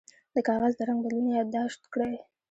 د کاغذ د رنګ بدلون یاد داشت کړئ.